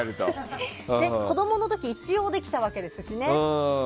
子供の時一応できたわけですからね。